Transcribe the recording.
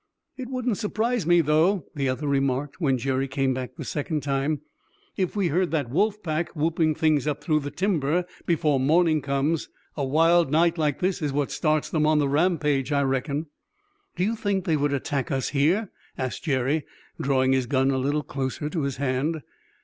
"It wouldn't surprise me, though," the other remarked, when Jerry came back the second time, "if we heard that wolf pack whooping things up through the timber before morning comes. A wild night like this is what starts them on the rampage, I reckon." "Do you think they would attack us here?" asked Jerry, drawing his gun a little closer to his hand.